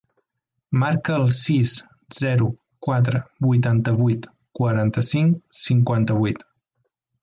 Marca el sis, zero, quatre, vuitanta-vuit, quaranta-cinc, cinquanta-vuit.